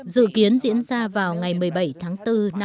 dự kiến diễn ra vào ngày một mươi bảy tháng bốn